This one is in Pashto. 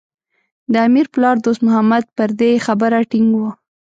د امیر پلار دوست محمد پر دې خبره ټینګ و.